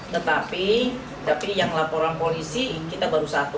tetapi tapi yang laporan polisi kita baru satu